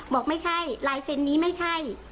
บอกไม่ใช่ลายเซ็นต์นี้ไม่ใช่